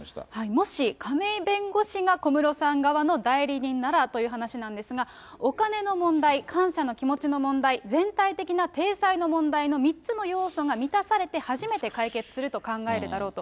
もし亀井弁護士が小室さん側の代理人ならという話なんですが、お金の問題、感謝の気持ちの問題、全体的な体裁の問題の３つの要素が満たされて初めて解決すると考えるだろうと。